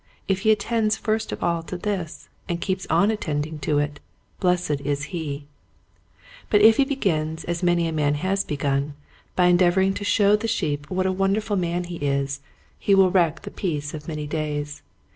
If he attends first of all to this and keeps on attending to it blessed is he. But if he begins, as many a man has begun, by endeavoring to show the sheep 34 Quiet Hints to Growing Preachers. what a wonderful man he is, he will wreck the peace of many days.